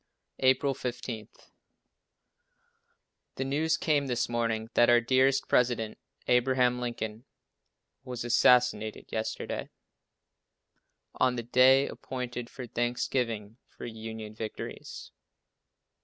April 15. The news came this morning that our dear president, Abraham Lincoln, was assassinated yesterday, on the day appointed for thanksgiving for Union victories.